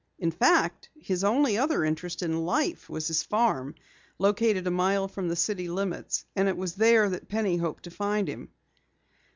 In fact, his only other interest in life was his farm, located a mile from the city limits, and it was there that Penny hoped to find him.